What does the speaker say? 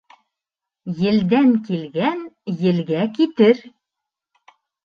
Елдән килгән елгә китер.